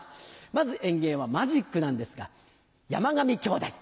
まず演芸はマジックなんですが山上兄弟。